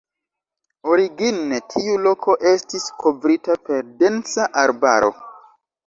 Origine tiu loko estis kovrita per densa arbaro.